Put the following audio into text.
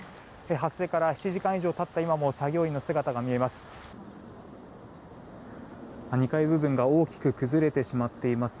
発生から７時間以上経った今も作業員の姿が見えます。